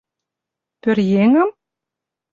Пӧръеҥым?